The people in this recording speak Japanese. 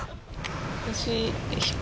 私。